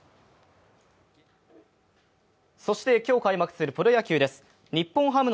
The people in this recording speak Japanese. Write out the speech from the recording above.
そして今日開幕するプロ野球です。